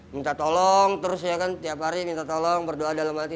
minta tolong terus ya kan tiap hari minta tolong berdoa dalam hati